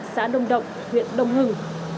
xã đông động huyện đông hưng